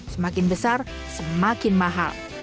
semakin besar semakin mahal